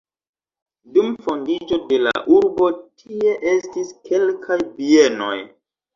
Dum fondiĝo de la urbo tie estis kelkaj bienoj.